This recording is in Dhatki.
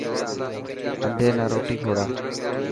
انڌي نا روٽي کوڙا.